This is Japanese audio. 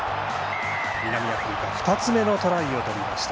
南アフリカ、２つ目のトライを取りました。